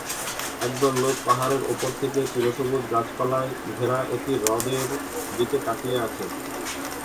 এক দল লোক পাহাড়ের ওপর থেকে চিরসবুজ গাছপালায় ঘেরা একটা হ্রদের দিকে তাকিয়ে আছে।